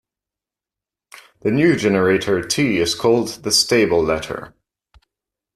The new generator "t" is called the "stable letter".